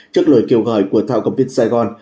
trước lời kêu gọi của thảo cầm viên sài gòn